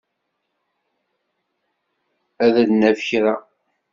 Ad d-naf kra.